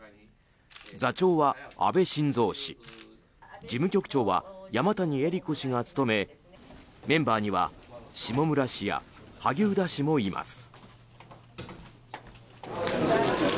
座長は安倍晋三氏事務局長は山谷えり子氏が務めメンバーには下村氏や萩生田氏もいます。